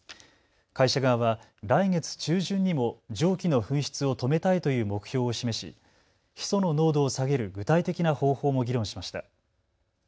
会社側は来月中旬にも蒸気の噴出を止めたいという目標を示しヒ素の濃度を下げる具体的な方法も議論しました。